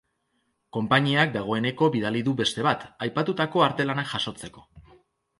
Konpainiak dagoeneko bidali du beste bat, aipatutako artelanak jasotzeko.